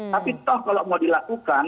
tapi toh kalau mau dilakukan